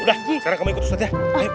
udah sekarang kamu ikut ustad ya